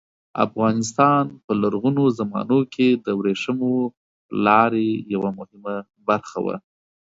افغانستان په لرغونو زمانو کې د ورېښمو لارې یوه مهمه برخه وه.